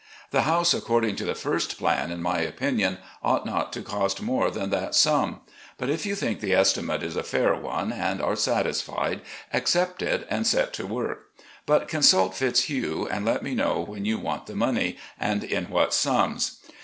The house according to the first plan, in my opinion, ought not to cost more than that sum. But if you think the estimate is a fair one, and are satisfied, accept it and set to work. But consult Fitzhugh, and let me know when you want the money, and in what sums.